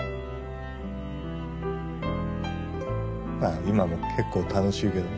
まあ今も結構楽しいけどな。